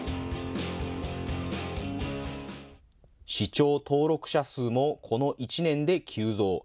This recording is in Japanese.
視聴登録者数もこの１年で急増。